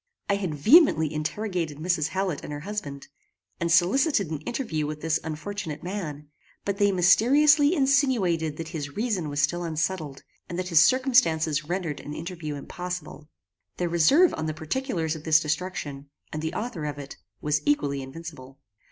I had vehemently interrogated Mrs. Hallet and her husband, and solicited an interview with this unfortunate man; but they mysteriously insinuated that his reason was still unsettled, and that his circumstances rendered an interview impossible. Their reserve on the particulars of this destruction, and the author of it, was equally invincible.